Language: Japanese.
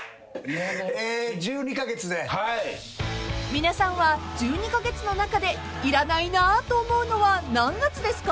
［皆さんは１２カ月の中でいらないなぁと思うのは何月ですか？］